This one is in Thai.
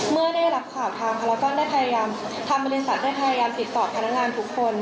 เมื่อได้รับข่าวทางภารกรได้พยายามทางบริษัทได้พยายามติดต่อพนักงานทุกคน